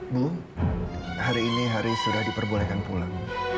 bu hari ini hari sudah diperbolehkan pulang